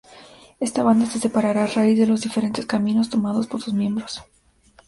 Esta banda se separará a raíz de los diferentes caminos tomados por sus miembros.